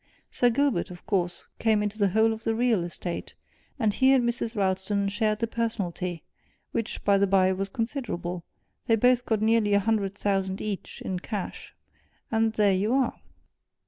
Sir Gilbert, of course, came into the whole of the real estate, and he and Mrs. Ralston shared the personalty which, by the by, was considerable: they both got nearly a hundred thousand each, in cash. And there you are!"